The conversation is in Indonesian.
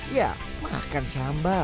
ya makan sambal